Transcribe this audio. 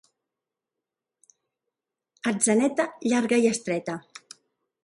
Atzeneta, llarga i estreta.